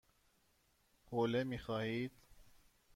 حوله می خواهید؟